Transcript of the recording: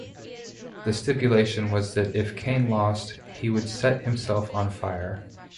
The stipulation was that if Kane lost, he would set himself on fire.